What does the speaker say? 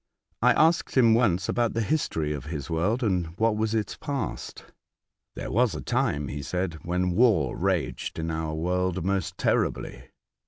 I asked him once about the history of his world, and what was its past. " There was a time," he said, "when war raged in our world most terribly.